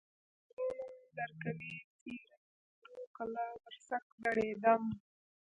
ډبونه، لرکلی، سېرۍ، موړو کلا، ورسک، دړیدم